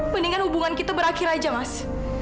mendingan hubungan kita berakhir aja mas